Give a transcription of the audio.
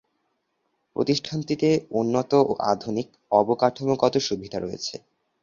প্রতিষ্ঠানটিতে উন্নত ও আধুনিক অবকাঠামোগত সুবিধা রয়েছে।